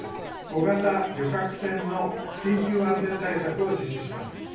小型旅客船の緊急安全対策を実施